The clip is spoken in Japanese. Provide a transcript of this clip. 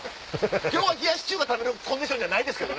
今日は冷やし中華食べるコンディションじゃないですけど。